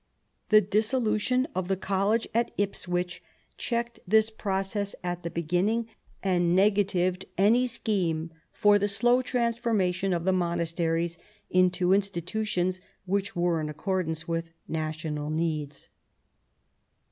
The dissolution of the college at Ipswich checked this process at the begin 196 THOMAS WOLSEY chap. ning, and negatived any scheme for the slow transfonna tion of the monasteries into institutions which were in accordance with national needs.